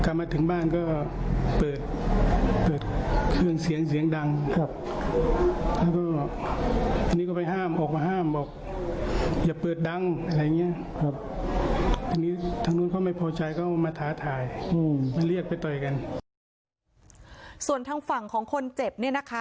เรียกไปต่อยกันส่วนทางฝั่งของคนเจ็บเนี่ยนะคะ